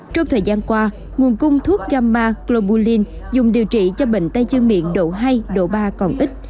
trong thời gian qua nguồn cung thuốc gamma globalin dùng điều trị cho bệnh tay chân miệng độ hai độ ba còn ít